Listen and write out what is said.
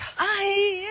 いいえ。